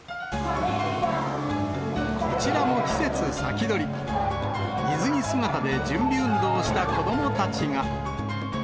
こちらも季節先取り、水着姿で準備運動した子どもたちが。